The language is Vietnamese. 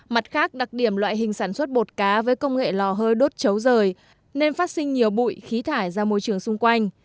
mặt khác đặc điểm loại hình sản xuất bột cá với công nghệ lò hơi đốt chấu rời nên phát sinh nhiều bụi khí thải ra môi trường xung quanh